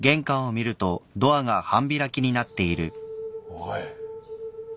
おい。